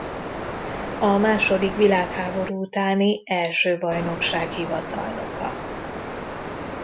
A második világháború utáni első bajnokság hivatalnoka.